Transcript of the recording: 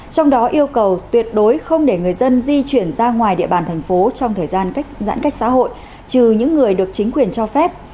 trong đó yêu cầu tuyệt đối không để người dân di chuyển ra ngoài địa bàn thành phố trong thời gian cách giãn cách xã hội trừ những người được chính quyền cho phép